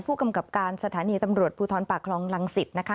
ผู้กำกับการสถานีตำรวจพพคลรังสิทธิ์นะคะ